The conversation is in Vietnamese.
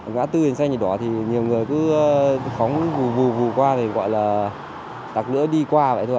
ngã tư đèn xanh đỏ thì nhiều người cứ phóng vù vù vù qua thì gọi là đặc lưỡi đi qua vậy thôi ạ